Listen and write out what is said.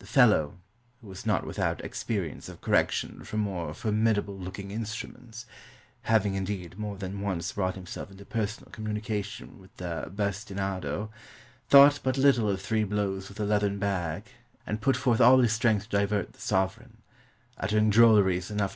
The fellow, who was not without ex perience of correction from more formidable looking instruments, — having, indeed, more than once brought himself into personal communication with the basti nado, — thought but Httlc of three blows with a leathern bag, and put forth all his strength to divert the sov ereign, uttering drolleries enough to m.